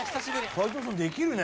斎藤さんできるね。